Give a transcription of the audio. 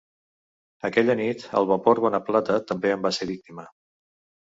Aquella nit el vapor Bonaplata també en va ser víctima.